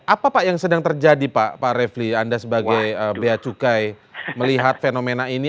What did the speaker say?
apa pak yang sedang terjadi pak pak refli anda sebagai beacukai melihat fenomena ini